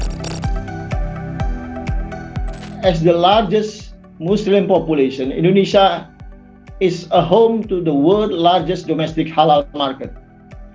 sebagai populasi muslim yang paling besar indonesia adalah rumah kebanyakan pasar halal domestik terbesar di dunia